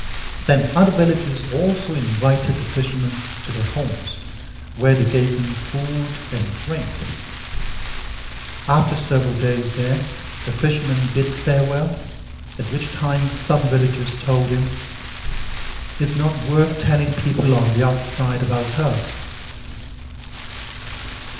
Then other villagers also invited the fisherman to their homes, where they gave him food and drink. After several days there, the fisherman bid farewell, at which time some villagers told him, "It's not worth telling people on the outside about us."